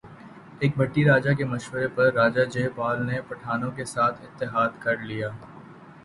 ایک بھٹی راجہ کے مشورے پر راجہ جے پال نے پٹھانوں کے ساتھ اتحاد کر لیا